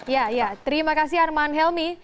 iya iya terima kasih arman helmi